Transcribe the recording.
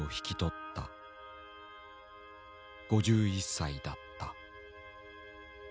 ５１歳だった。